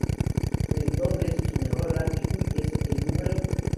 En dobles, su mejor ranking es el Núm.